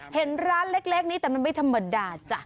เห็นร้านเล็กนี้แต่มันไม่ธรรมดาจ้ะ